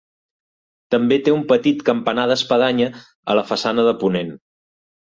També té un petit campanar d'espadanya a la façana de ponent.